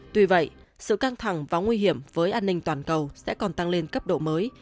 tuy vậy sự căng thẳng và nguy hiểm với an ninh toàn cầu sẽ còn tăng lên cấp độ mới